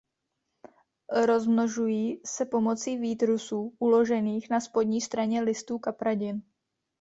Rozmnožují se pomocí výtrusů uložených na spodní straně listů kapradin.